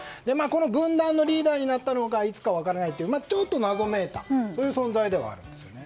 この軍団のリーダーになったのがいつか分からないというちょっと謎めいた存在ではあるんですね。